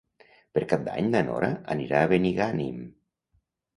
Per Cap d'Any na Nora anirà a Benigànim.